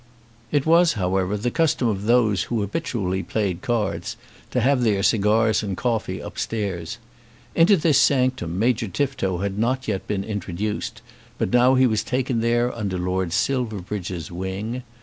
It was, however, the custom of those who habitually played cards, to have their cigars and coffee upstairs. Into this sanctum Major Tifto had not yet been introduced, but now he was taken there under Lord Silverbridge's wing.